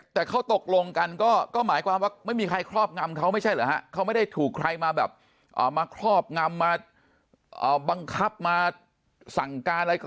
แต่เขาตกลงกันก็หมายความว่าไม่มีใครครอบงำเขาไม่ใช่เหรอฮะเขาไม่ได้ถูกใครมาแบบมาครอบงำมาบังคับมาสั่งการอะไรก็